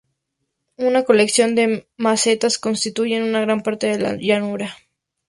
Una colección de mesetas constituyen una gran parte de la llanura.